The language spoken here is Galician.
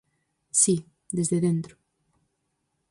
Si, desde dentro.